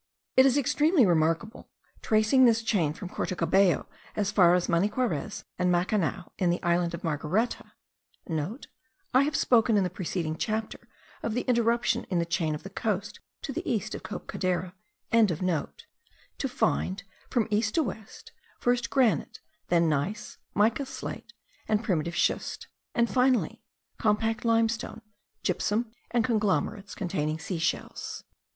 It is extremely remarkable, tracing this chain* from Porto Cabello as far as Maniquarez and Macanao, in the island of Margareta (* I have spoken, in the preceding chapter, of the interruption in the chain of the coast to the east of Cape Codera.), to find, from west to east, first granite, then gneiss, mica slate, and primitive schist; and finally, compact limestone, gypsum, and conglomerates containing sea shells.